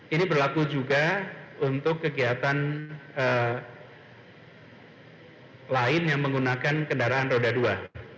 ini berlaku juga untuk kegiatan lain yang menggunakan kendaraan roda dua